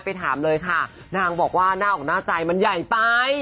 ไปถามเลยค่ะนางบอกว่าหน้าอกหน้าใจมันใหญ่ไป